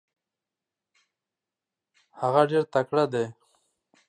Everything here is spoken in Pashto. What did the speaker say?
هغه ډیر تکړه دی.